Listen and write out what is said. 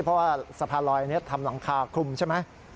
เพราะว่าสะพานลอยนี้ทำหลังคาคลุมใช่ไหม